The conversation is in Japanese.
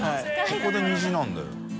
ここで「虹」なんだよ。）